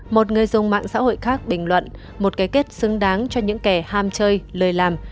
một người dùng mạng xã hội khác bình luận một cái kết xứng đáng cho những kẻ ham chơi lời làm